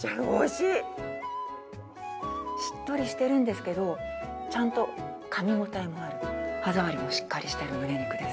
しっとりしてるんですけど、ちゃんとかみごたえがあって歯触りもしっかりしているむね肉です。